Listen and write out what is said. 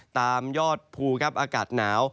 ตามยอดภูอากาศหนาว